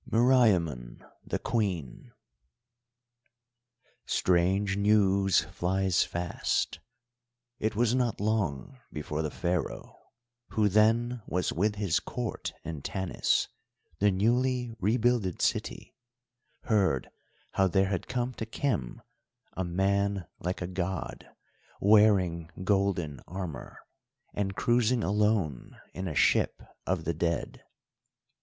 MERIAMUN THE QUEEN Strange news flies fast. It was not long before the Pharaoh, who then was with his Court in Tanis, the newly rebuilded city, heard how there had come to Khem a man like a god, wearing golden armour, and cruising alone in a ship of the dead.